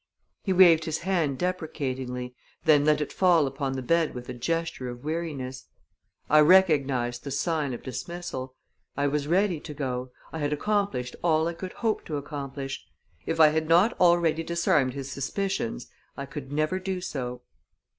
He waved his hand deprecatingly, then let it fall upon the bed with a gesture of weariness. I recognized the sign of dismissal. I was ready to go; I had accomplished all I could hope to accomplish; if I had not already disarmed his suspicions, I could never do so.